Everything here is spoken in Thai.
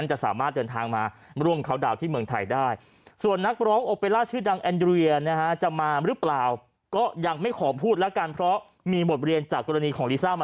จริงท่านควรเค้าให้เสร็จก่อนแล้วค่อยมาประกาศทีเดียวไหม